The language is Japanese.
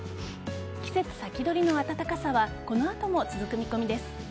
季節先取りの暖かさはこの後も続く見込みです。